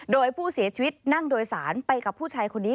โดยผู้เสียชีวิตนั่งโดยสารไปกับผู้ชายคนนี้